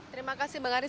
terima kasih bang arief